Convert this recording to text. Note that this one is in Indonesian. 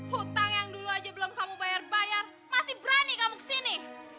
hutang yang dulu aja belum kamu bayar bayar masih berani kamu kesini